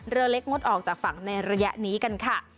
เรือเล็กงดออกจากฝั่งในระยะนี้กันค่ะ